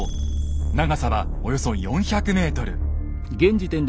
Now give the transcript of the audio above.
長さはおよそ４００ｍ。